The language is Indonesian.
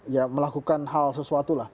ya melakukan hal sesuatu lah